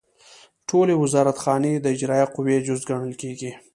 ټولې وزارتخانې د اجرائیه قوې جز ګڼل کیږي.